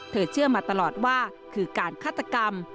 เชื่อมาตลอดว่าคือการฆาตกรรม